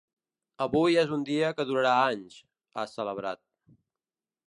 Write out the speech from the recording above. Avui és un dia que durarà anys, ha celebrat.